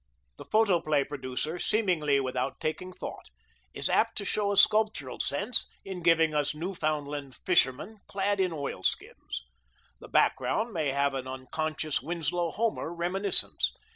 The photoplay producer, seemingly without taking thought, is apt to show a sculptural sense in giving us Newfoundland fishermen, clad in oilskins. The background may have an unconscious Winslow Homer reminiscence.